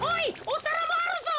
おさらもあるぞ。